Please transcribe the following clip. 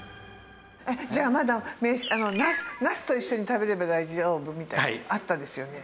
えっじゃあまだナスと一緒に食べれば大丈夫みたいなのあったですよね？